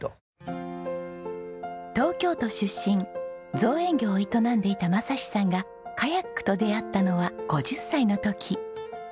東京都出身造園業を営んでいた雅士さんがカヤックと出会ったのは５０歳の時。